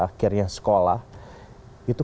akhirnya sekolah itu